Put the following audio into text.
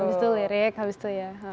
habis itu lirik habis itu ya